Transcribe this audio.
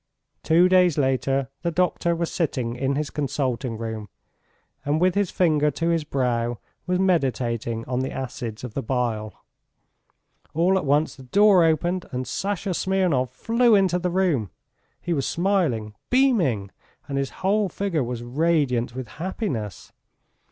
... Two days later the doctor was sitting in his consulting room, and with his finger to his brow was meditating on the acids of the bile. All at once the door opened and Sasha Smirnov flew into the room. He was smiling, beaming, and his whole figure was radiant with happiness.